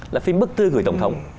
là phim bức tư gửi tổng thống